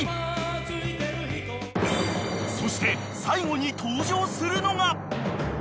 ［そして最後に登場するのが］